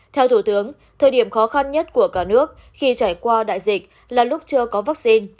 theo thủ tướng thời điểm khó khăn nhất của cả nước khi trải qua đại dịch là lúc chưa có vaccine